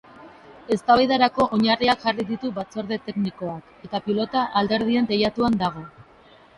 Eztabaidarako oinarriak jarri ditu batzorde teknikoak, eta pilota alderdien teilatuan dago.